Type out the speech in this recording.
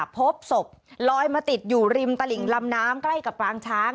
พบศพลอยมาติดอยู่ริมตลิงลำน้ำใกล้กับปางช้าง